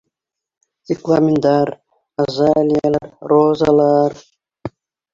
Цикломендар, азалиялар, розалар...